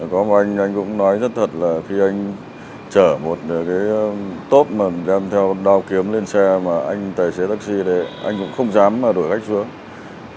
có một anh anh cũng nói rất thật là khi anh chở một cái tốt mà đem theo giao kiếm lên xe mà anh tài xế taxi đấy anh cũng không dám đổi khách xuống